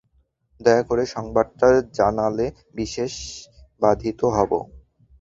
দয়া করে সংবাদটি জানালে বিশেষ বাধিত হব।